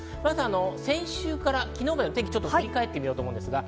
先週から昨日までの天気を振り返ってみようと思います。